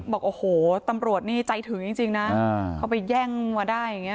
บอกโอ้โหตำรวจนี่ใจถึงจริงนะเขาไปแย่งมาได้อย่างนี้